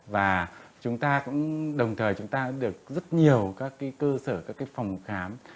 và chúng ta cũng đồng thời chúng ta cũng được rất nhiều các cái cơ sở các cái phòng khám